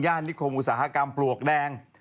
นิคมอุตสาหกรรมปลวกแดง